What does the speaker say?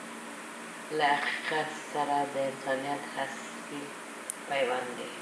دا له حقیقت سره د انسانیت اصیل پیوند دی.